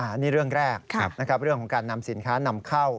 อันนี้เรื่องแรกนะครับเรื่องของการนำสินค้านำเข้า